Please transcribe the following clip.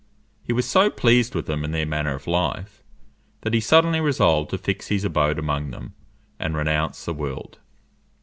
He was so pleased with them and their manner of life, that he suddenly resolved to fix his abode among them, and renounce the world.